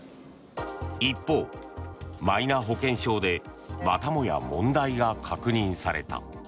一方、マイナ保険証でまたもや問題が確認された。